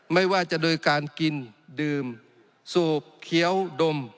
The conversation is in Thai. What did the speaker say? ไม่ว่าจะโดยการกินดื่มสูบเคี้ยวดม